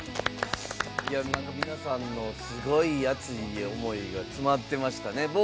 いや皆さんのすごい熱い思いが詰まってましたね。